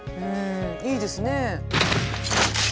うんいいですね。